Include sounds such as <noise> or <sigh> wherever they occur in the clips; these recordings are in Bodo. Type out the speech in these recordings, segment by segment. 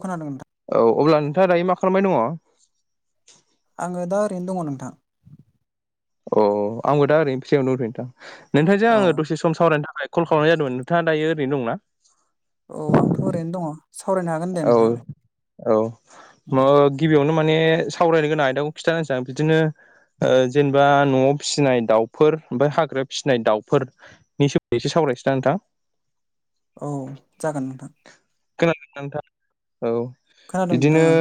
खोनादों नोंथां? औ अब्ला नोंथाङा दायो मा खालामबाय दङ? आङो दा ओरैनो दङ नोंथां। अ आंबो दा ओरै फ्रियावनो दंथयो नोंथां नोंथांजों औ आङो दसे सम सम सावरायनो थाखाय कल खालामनाय जादों नोंथाङा दायो ओरैनो दंङ ना? औ आंथ' ओरैनो दङ। सावरायनो हागोन दे औ नोंथांनो औ गिबियावनो माने सावरायनो गोनां आयदाखौ खिथाना होनोसां बिदिनो। जेनेबा न'आव फिसिनाय दाउफोर ओमफ्राय हाग्रायाव फिसिनाय दाउफोर नि <unintelligible> सोमोनदै एसे सावरायसै दां नोंथां औ जागोन नोंथां। खोनादों ना नोंथां औ। खोनादों नोंथां बिदिनो ओं।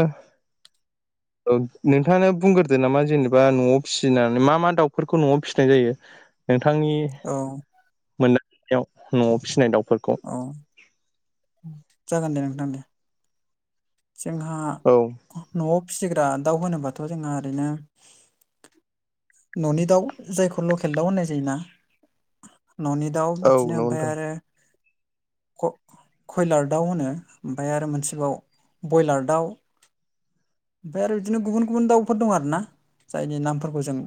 औ नोंथाङानो बुंग्रोदो नामा जेनेबा न'आव फिसिनानै मा मा दाउफोरखौ न'आव फिसिनाय जायो। नोंथांनि औ मोनदांथियाव न'आव फिसिनाय दाउफोरखौ। औ जागोन दे नोंथां दे। जोंहा औ न'आव फिसिग्रा दाउ होनोबाथ' जोंहा ओरैनो न'नि दाउ जायखौ लकेल दाउ होननाय जायोना न'नि दाउ नंगौ बिदिनो ओमफ्राय नोंथां आरो। कयलार दाउ होनो ओमफ्राय आरो मोनसेबाव ब्रयलार दाउ ओमफ्राय आरो बिदिनो गुबुन गुबुन दाउफोर दं आर ना जायनि नामफोरखौ जों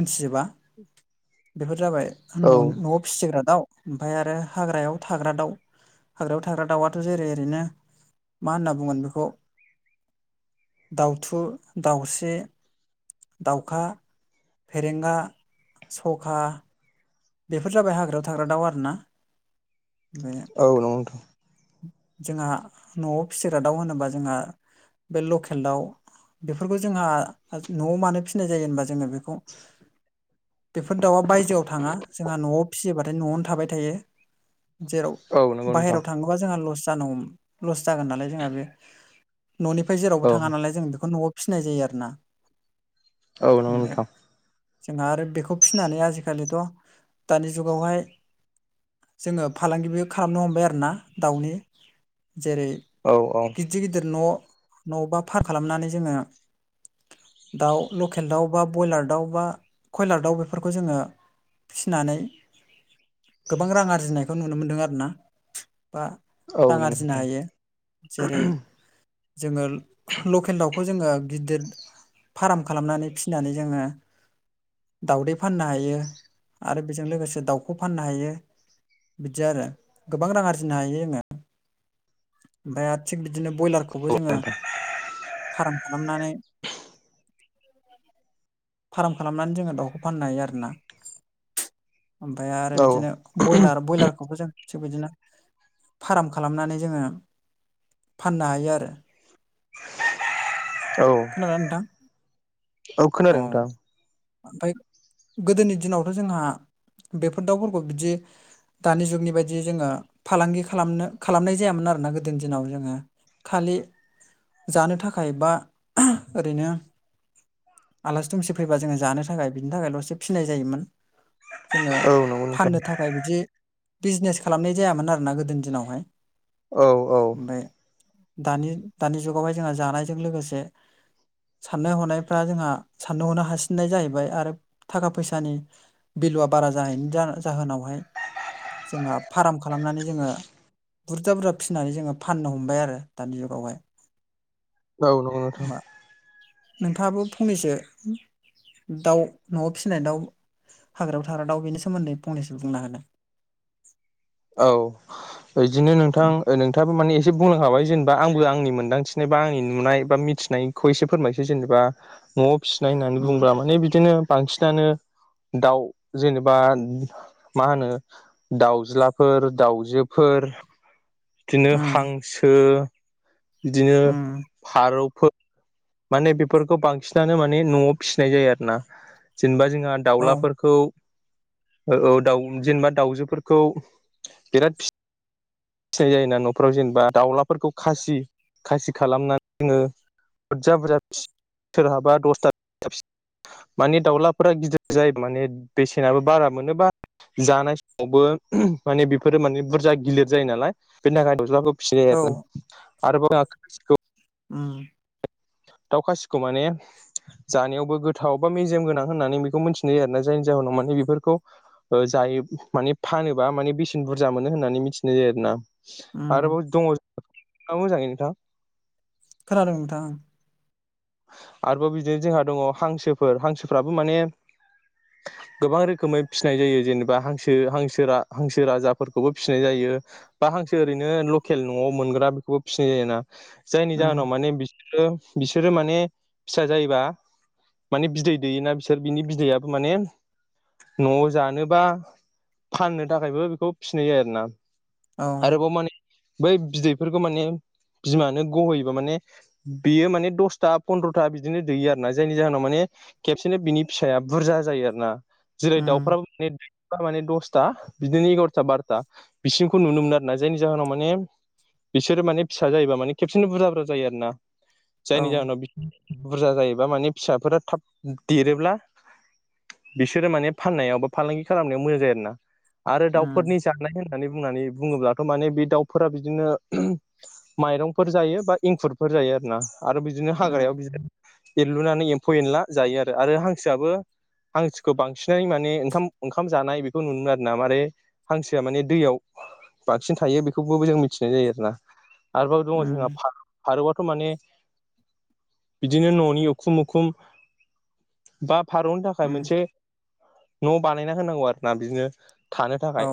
मोनथिजोबा। बेफोर जाबाय औ न'आव फिसिग्रा दाउ ओमफ्राय आरो हाग्रायाव थाग्रा दाउ। हाग्रायाव थाग्रा दाउआथ' जेरै ओरैनो मा होनना बुंगोन बेखौ दाउथु, दाउस्रि दाउखा, फेरेंगा, सखा बेफोर जाबाय हाग्रायाव थाग्रा दाउ आरोना बे औ नंगौ नोंथां। जोंहा न'आव फिसिग्रा दाउ होनोबा जोंहा बे लकेल दाउ। बेफोरखौ जोंहा न'आव मानो फिसिनाय जायो होनबा जोङो बैखौ बेफोर दाउआ बायजोआव थाङा। जोंहा न'आव फिसियोबाथाय न'आवनो थाबाय थायो जेराव औ नंगौ नोंथां बाहेरायाव थांनो अबबा जोंहास जानौ लस जागोन नालाय जोंहा बेयो न'निफ्राय औ जेरावबो थाङा नालाय जों बेखौ न'आव फिसिनाय जायो आरो ना? औ नंगौ बे ओमफ्राय नोंथां जोंहा आरो बेखौ फिनानै आजिखालिथ' दानि जुगावहाय जोङो फालांगिबो खालामनो हमबाय आरो ना दाउनि। जेरै औ औ गिदिर गिदिर न' न' बा फार खालामनानै जोङो। दाउ लकेल दाउ बा ब्रयलार दाउ बा कयलार दाउ बेफोरखौ जोङो फिनानै गोबां रां आरजिनायखौ नुनो मोनदों आर ना बा औ रां नंगौ आरजिनो नोंथां हायो जेरै जोङो लकेल दाउखौ खौ जोङो गिदिर फार्म खालामनानै फिनानै जोङो दाउदै फाननो हायो। आरो बेजों लोगोसे दाउखौ फाननो हायो बिदि आरो गोबां रां आरजिनो हायो जोङो। ओमफ्राय आरो थिग बिदिनो ब्रयलारखौबो जोङो फार्म खालामनानै <inaudible> फार्म खालामनानै जोङो दाउखौ फाननो हायो आरोना ओमफ्राय आरो औ बिदिनो ब्रयलार बयलारखौबो जों थिग बिदिनो फार्म खालामनानै जोङो फाननो हायो आरो औ खोनादों ना नोंथां खोनादों औ नोंथां ओमफ्राय गोदोनि दिनावथ' जोंहा बेफोर दाउफोरखौ बिदि दानि जुगनि बायदि जोङो फालांगि खालामनो खालामनाय जायामोन आरोना गोदोनि दिनाव जोङो। खालि जानो थाखाय बा ओरैनो आलासि दुमसि फैबा जोङो जानो थाखाय बिनि थाखायल'से फिनाय जायोमोन जोङो औ नंगौ नोंथां फाननो था खाय ओमफ्राय बिदि बिजनेस खालामनाय जायामोन आरोना गोदोनि दिनावहाय औ औ ओमफ्राय दानि दानि जुगावहाय जोंहा जानायजों लोगोसे साननाय हनायफ्रा जोंहा साननो हनो हासिननाय जाहैबाय आरो थाखा फैसानि बिलुआ बारा जाहैनि जाहोनावहाय जोङो फार्म खालामनानै जोङो बुरजा बुरजा फिनानै जोङो फाननो हमबाय आरो दानि जुगावहाय औ नंगौ नों नोंथाङाबो फंनैसो दाउ न'आव फिनाय दाउ हाग्रायाव थाग्रा दाउ बेनि सोमोनदै फंनैसो बुंना होनो औ बिदिनो नोंथां ओ खाबो माने एसे बुंनोखाबाय जेनेबा आंबो आंनि मोनदांथिनाय बा आंनि नुनाय बा मिथिनायखौ एसे फोरमायसै जेनेबा न'आव फिसिनाय होननानै उम बुङोब्ला माने बिदिनो बांसिनानो दाउ जेनेबा मा होनो दाउज्ला फोर दाउजोफोर बिदिनो उम हांसो बिदिनो उम फारौफोर माने बेफोरखौ बांसिनानो माने न'आव फिसिनाय जायो आरो ना जेनेबा जोंहा औ दाउलाफोरखौ औ दाउ जेनेबा दाउजोफोरखौ बिराद फि फिनाय जायोना न'फ्राव जेनेबा दाउलाफोरखौ खासि खासि खालामनानै जोंङो बुरजा बुरजा सोरहाबा दसथा माने दाउलाफोरा गिदिर जायो माने बेसेनाबो बारा मोनोबा जानाय समावबो माने बेफोरो माने बुरजा गिलिर जायो नालाय बेनि थाखाय दाउलाफोरखौ सिरि औ आरो <unintelligible> उम दाउ खासिखौ माने जानायावबो गोथाव बा मेजेम गोनां होननानै बेखौ मिथिनाय जायो आरोना जायनि जाहोनाव माने बेफोरखौ जायो माने फानोबा माने बेसेन बुरजा मोनो होननानै मिथिनाय जायो आरो ना। उम आरोबाव दंङो औ मोजाङैनो नोंथां खोनादों नोंथां ओं आरोबाव बिदिनो जोंहा दंङ हांसोफोर हांसोफ्राबो माने <inaudible> गोबां रोखोमै फिसिनाय जायो जेनेबा हांसो हांसो रा हांसो राजाफोरखौबो फिसिनाय जायो। बा हांसो ओरैनो लकेल न'आव मोनग्रा बेखौबो फिसिनाय जायो ना। जायनि जाहोनाव माने बिसोरो बिस बिसोरो माने फिसा जायोबा माने बिदै दैयोना बिसोर बिनि बिदैयाबो माने न'आव जानोबा फाननो थाखायबो बेखौ फिनाय जायो आरो ना। ओं आरोबाव माने बै बिदैफोरखौ माने बिमानो गहोयोबा माने बेयो माने द सथा पन्द्र'था बिदिनो दैयो आरो ना जायनि जाहोनाव माने खेबसेनो बिनि फिसाया बुरजा जायो आरो ना जेरै दाउ उम फ्रामनि थारमाने दसथा बिदिनो एगार'था बार'था बिसिंखौ नुनो मोनो आरो ना जायनि जाहोनाव माने बिसोर माने फिसा जायोबा माने खेबसेनो बुरजा बुरजा जायो आरो ना। औ जायनि जाहोनाव बि बुरजा जायोबा माने फिसाफोरा थाब देरोब्ला बिसोरो माने फाननायाव बा फालांगि खालामनायाव मोजां जायो आरोना आरो उम दाउफोरनि जा जानाय होननानै बुंनानै बुंङोब्लाथ' माने बे दाउफोरा बिदिनो माइरंफोर जायो बा इंखुरफोर जायो आरो ना आरो बिदिनो औ हाग्रायाव बिदिनो एरलुनानै एम्फौ एनला जायो आरो आरो हांसोआबो हांसोखौ बांसिनै माने ओंखाम ओंखाम जानाय बेखौ नुनो आरो ना मारै हांसोआ माने दैयाव बांसिन थायो बेखौबो जों मिथिनाय जायो आरोना। आरोबाव दङ जोंहा उम फारौ फारौआथ' माने बिदिनो न'नि उखुम उखुम बा फारौनि उम थाखाय मोनसे न' बानायना होनांगौ आरो ना बिदिनो थानो थाखाय औ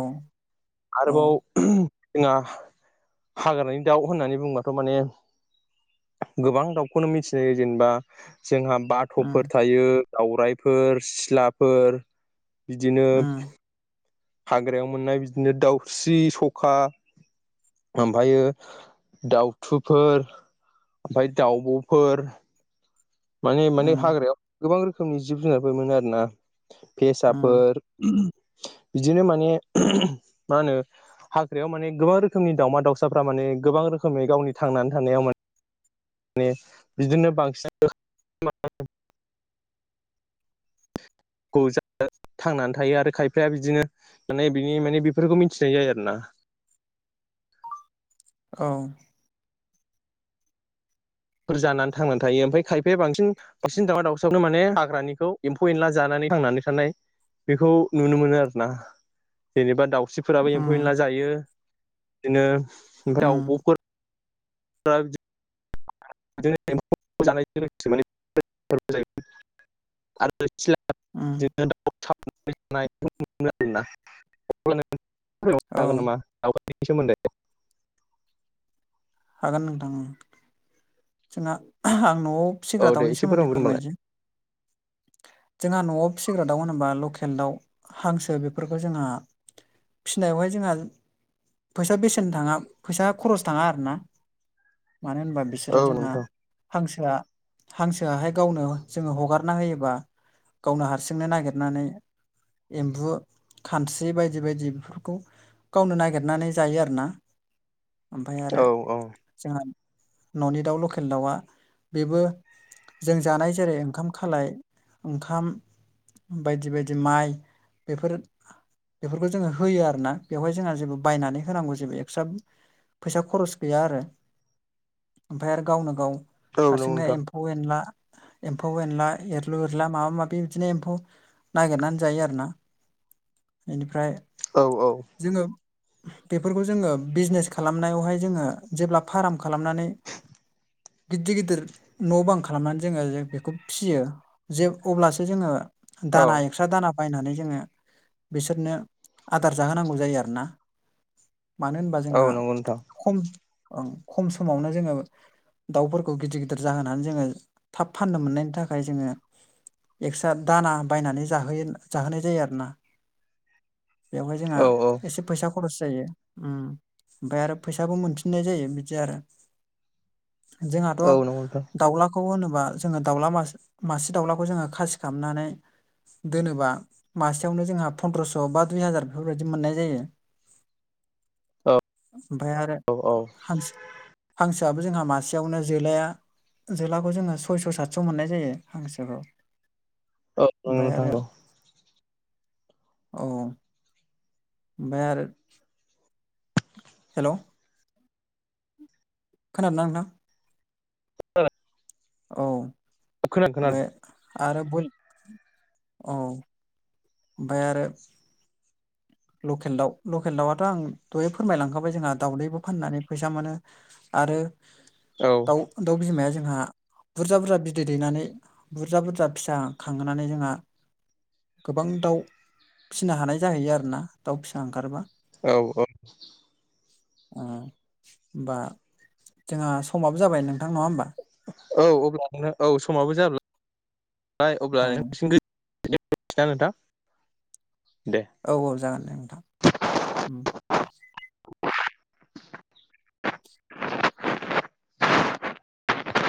औ आरोबाव जोंहा हाग्रानि दाउ होननानै बुंबाथ' माने गोबां दाउखौनो मिथिनायायो जेनेबा जोंहा बाथ'फोर उम थायो। दावराइफोर सिलाफोर बिदिनो उम हाग्रायाव मोननाय बिदिनो दाउस्रि सखा ओमफ्रायो दउथुफोर ओमफ्राय दाउब'फोर माने माने उम हाग्रायाव गोबां रोखोमनि जिब जुनारफोर मोनो आरो ना उम फेसाफोर बिदिनो माने मा होनो हाख्रिायाव माने गोबां रोखोमनि दावमा दाउसाफ्रा माने गोबां रोखोमै गावनि थांनानै थानायाव मान माने बिदिनो बांसिन थांनानै थायो आरो खायफाया बिदिनो माने बिनि माने बेफोरखौ मिथिनाय जायो आरो ना। औ। फोर जानानै थांनानै थायो ओमफ्राय खायफाया बांसिन बांसिन दावउा दाउसियावनो माने हाग्रानिखौ एम्फौ एनला जानानै थांनानै थानाय बेखौ नुनो मोनो आरो ना जेनेबा दाउस्रि फोराबो एम्फौ उम एनला जायो बिदिनो ओमफ्राय उम दावब'फोर <unintelligible> जानायजों लोगोसे आरो सिला दाउ उम <unintelligible> आरोना नो हागोन नामा औ आवगायनायनि सोमोन्दै हागोन नोंथां जोंना आं न'आव औ फिग्रा दे दाउनि एसे फोरमायहर सोमोन्दै होनबालाय फोरमायनोसै जोंहा न'आव फिसिग्रा दाउ होनोबा लकेल दाउ हांसो बेफोरखौ जोंहा फिनायावहाय जोंहा फैसा बेसेन थाङा फैसा खरस थाङा आरोना। मानो होनबा बि बिसोरो औ जोंहा नोंथां हांसोआ हांसोआहाय गावनो जोङो हगारना होयोबा गावनो हारसिंनो नागिरनानै एम्बु खानस्रि बायदि बायदि बेफोरखौ गावनो नागिरनानै जायो आरोना ओमफ्राय आरो औ औ जोंहा न'नि दाउ लकेल दाउआ बेबो जों जानाय जेरै ओंखाम खालाय ओंखाम बायदि बायदि माइ बेफोर बेफोरखौ जोङो होयो आरोना बेवहाय जोंहा जेबो बायनानै होनांगौ जेबो एक्सट्रा फैसा खरस गैया आरो ओमफ्राय आरो गावनो गाव औ नंगौ हारसिंनो नोंथां एम्फौ एनला एम्फौ एनला एर लोरला माबा माबि बिदिनो एम्फौ नागिरनानै जायो आरोना बेनिफ्राय औ औ। जोङो बेफोरखौ जोङो बिजनेस खालामनायावहाय जोङो जेब्ला फार्म खालामनानै गिदिर गिदिर न' बां खालामनानै जोङो बेखौ फियो। जे अब्लासो जोङो औ दानाय एक्स्ट्रा दाना बायनानै जोङो बिसोरनो आदार जाहोनांगौ जायो आरोना। मानो होनबा जोंहा औ नंगौ नोंथां खमओ खम समावनो जोङो दाउफोरखौ गिदिर गिदिर जाहोनानै जोङो थाब फाननो मोननायनि थाखाय जोङो एक्सट्रा दाना बायनानै जाहोयो जाहोनाय जायो आरो ना। बेवहाय जोंहा औ औ एसे फैसा खरस जायो ओमफ्राय आरो फैसाबो मोनफिननाय जायो बिदि आरो। जोंहाथ' औ नंगौ नोंथां दाउलाखौ होनोबा जोङो दाउला मासे मासे दाउलाखौ जोङो खासि खालामनानै दोनोबा मासेयावनो जोंहा फन्द्रस' बा दुइ हाजार बेफोरबायदि मोननाय जायो। औ ओमफ्राय आरो औ औ हांसो हांसोआबो जोंहा मासेयावनो जोलाया जोलाखौ जोङो सयस' सातस' मोननाय जायो। हांसोखौ औ नंगौ ओमफ्राय नोंथां आरो औ औ ओमफ्राय आरो हेल' खोनादों ना नोंथां? खोनादों औ बे खोनादों आरो बै औ ओमफ्राय आरो। लकेल दाउ लकेल दाउआथ' आं दहाय फोरमायलांखाबाय जोंहा दावदैबो फाननानै फैसा मोनो। आरो औ दाउ दाउ बिमाया जोंहा बुरजा बुरजा बिदै दैनानै बुरजा बुरजा फिसा खांहोनानै जोंहा गोबां दाउ फिसिनो हानाय जाहैयो आरोना दाउ फिसा ओंखारबा। औ औ होमबा जोंहा समाबो जाबाय नोंथां नङा होमबा? औ अब्ला नों औ समाबो जाबाय अब्ला औ नों गो <unintelligible> नोंथां दे औ औ जागोन दे नोंथां उम